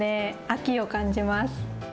秋を感じます。